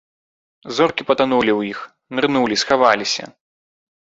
Зоркі патанулі ў іх, нырнулі, схаваліся.